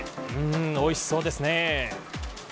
おいしそうですね。